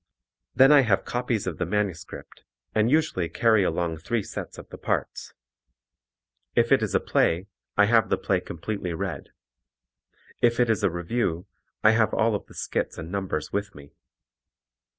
Then I have copies of the manuscript, and usually carry along three sets of the parts. If it is a play, I have the play completely read. If it is a revue, I have all of the skits and numbers with me.